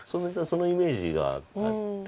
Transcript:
そのイメージがあって。